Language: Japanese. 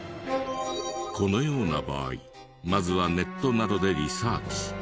このような場合まずはネットなどでリサーチ。